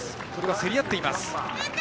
競り合っています。